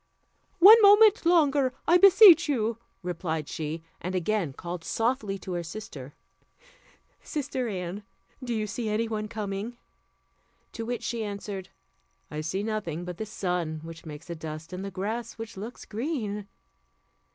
"One moment longer, I beseech you," replied she, and again called softly to her sister, "Sister Anne, do you see any one coming?" To which she answered, "I see nothing but the sun, which makes a dust, and the grass, which looks green."